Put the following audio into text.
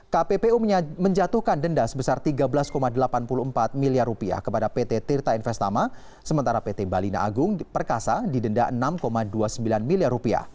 kppu menjatuhkan denda sebesar rp tiga belas delapan puluh empat miliar kepada pt tirta investama sementara pt balina agung perkasa didenda rp enam dua puluh sembilan miliar